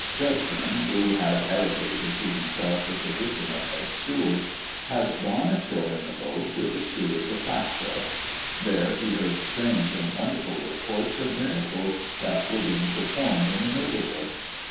Redfern, who had arrogated to himself the position of head steward, had gone ashore in the boat with the steward de facto. There he heard strange and wonderful reports of miracles that were being performed in the neighborhood.